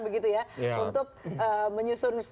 begitu ya untuk menyusun